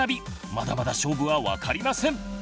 まだまだ勝負は分かりません！